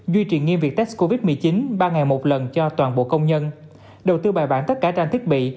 duy trì nghiêm việc test covid một mươi chín ba ngày một lần cho toàn bộ công nhân đầu tư bài bản tất cả trang thiết bị